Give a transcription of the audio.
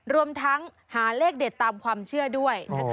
รวมทั้งหาเลขเด็ดตามความเชื่อด้วยนะคะ